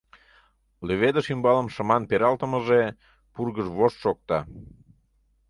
Леведыш ӱмбалым шыман пералтымыже пургыж вошт шокта.